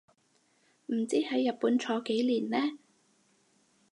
唔知喺日本坐幾年呢